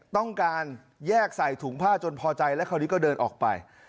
ต้องการแยกใส่ถุงผ้าจนพอใจแล้วคราวนี้ก็เดินออกไป